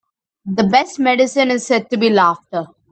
The best medicine is said to be laughter.